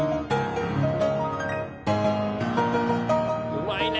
うまいね。